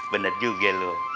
bener juga lu